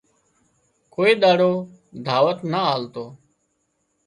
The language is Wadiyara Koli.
ڪوئي ۮاڙو دعوت نا آلتو